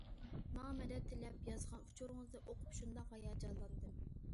ماڭا مەدەت تىلەپ يازغان ئۇچۇرىڭىزنى ئوقۇپ شۇنداق ھاياجانلاندىم.